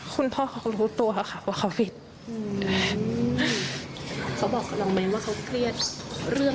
กับเหตุผลที่เกิดขึ้น